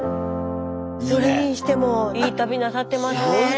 それにしてもいい旅なさってますね。